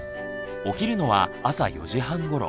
起きるのは朝４時半ごろ。